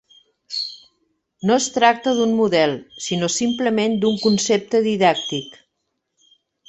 No es tracta d'un model, sinó simplement d'un concepte didàctic.